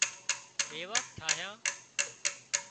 ميوات ٺاهيا